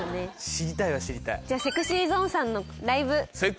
じゃあＳｅｘｙＺｏｎｅさんのライブ。